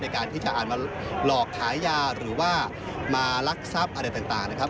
ในการที่จะอาจมาหลอกขายยาหรือว่ามาลักทรัพย์อะไรต่างนะครับ